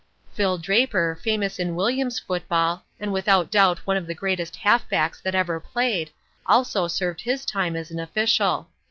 '" Phil Draper, famous in Williams football, and without doubt one of the greatest halfbacks that ever played, also served his time as an official.